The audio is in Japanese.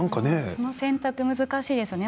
その選択も難しいですね。